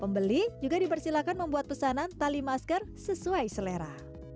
pembeli juga dipersilakan membuat pesanan tali masker sesuai selera